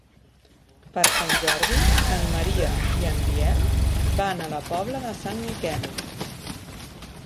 Per Sant Jordi en Maria i en Biel van a la Pobla de Sant Miquel.